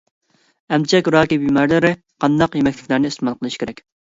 ئەمچەك راكى بىمارلىرى قانداق يېمەكلىكلەرنى ئىستېمال قىلىشى كېرەك؟